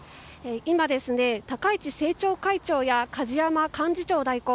今、高市政調会長や梶山幹事長代行